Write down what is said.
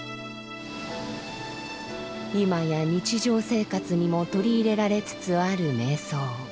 今や日常生活にも取り入れられつつある瞑想。